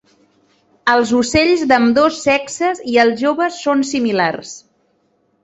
Els ocells d'ambdós sexes i els joves són similars.